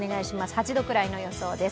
８度くらいの予想です。